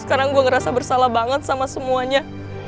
sekarang gue ngerasa bersalah banget sama semuanya